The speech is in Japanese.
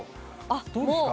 どうですか？